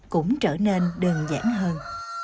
cũng trở nên đơn giản hơn